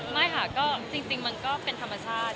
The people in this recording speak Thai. ไม่ค่ะก็จริงมันก็เป็นธรรมชาติ